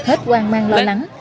hết hoang mang lo lắng